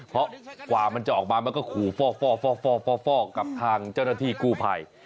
เพราะกว่ามันจะออกมามันก็ขู่ฟ่อกับทางเจ้าหน้าที่กู้ภัย